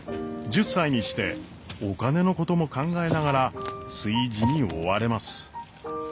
１０歳にしてお金のことも考えながら炊事に追われます。